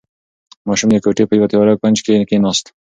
ماشوم د کوټې په یوه تیاره کونج کې کېناست.